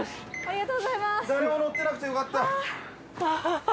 誰も乗ってなくてよかった。